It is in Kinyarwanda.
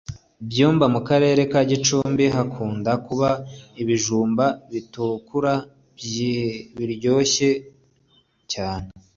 Byumba mu karere ka gicumbi hakunda kuba ibijumba bitukura byiryoha cyane kurusha ahandi kandi byamafufu